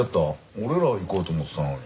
俺らが行こうと思ってたのに。